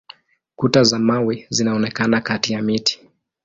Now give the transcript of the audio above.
Kuta za mawe zinaonekana kati ya miti.